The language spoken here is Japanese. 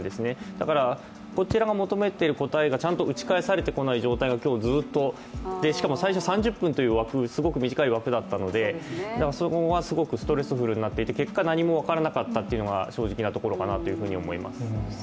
だからこちらが求めている答えがちゃんと打ち返されてこない状況がずっとしかも最初３０分というすごく短い枠だったのでそこはすごくストレスフルになっていて結果何も分からなかったというのが正直なところだと思います。